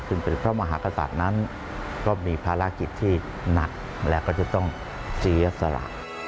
ซึ่งเป็นพระมหากษัตริย์นั้นก็มีภารกิจที่หนักและก็จะต้องเสียสละ